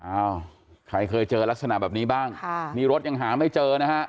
อ้าวใครเคยเจอลักษณะแบบนี้บ้างค่ะนี่รถยังหาไม่เจอนะฮะ